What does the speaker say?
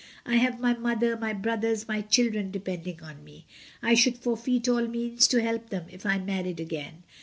I have my mother, my brothers, my children depending on me. I should forfeit all means to help them if I married again.